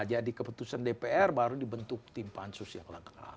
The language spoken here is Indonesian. jadi keputusan dpr baru dibentuk tim pansus yang langka